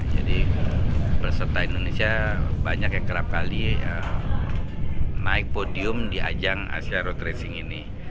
jadi peserta indonesia banyak yang kerap kali naik podium di ajang asia road racing ini